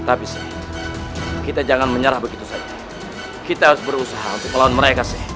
tapi kita jangan menyerah begitu saja kita harus berusaha untuk melawan mereka sih